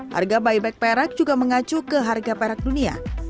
harga buyback perak juga mengacu ke harga perak dunia